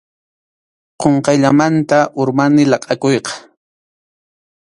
Qunqayllamanta urmaymi laqʼakuyqa.